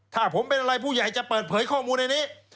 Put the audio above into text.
ถ้าผมเป็นอะไรผู้ใหญ่จะเปิดเผยข้อมูลในนี้